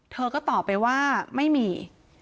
เธอก็ตอบไปว่าไม่มี